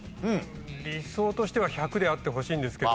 理想としては１００であってほしいんですけど。